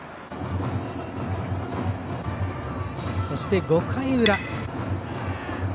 そして５回裏。